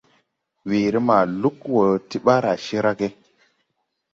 Weere ma lug wo ti ɓaara cee ra ge.